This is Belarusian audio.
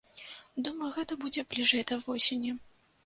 Думаю, гэта будзе бліжэй да восені.